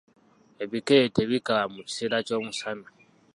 Ebikere tebikaaba mu kiseera ky’omusana.